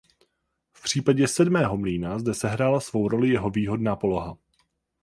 V případě sedmého mlýna zde sehrála svou roli jeho výhodná poloha.